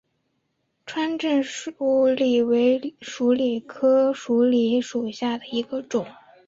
川滇鼠李为鼠李科鼠李属下的一个种。